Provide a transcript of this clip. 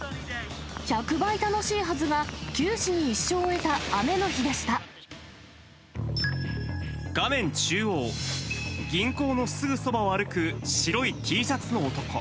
１００倍楽しいはずが、画面中央、銀行のすぐそばを歩く白いＴシャツの男。